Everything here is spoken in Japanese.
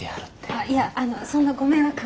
あっいやあのそんなご迷惑は。